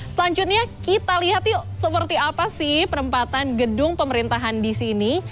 selanjutnya kita lihat yuk seperti apa sih penempatan gedung pemerintahan di sini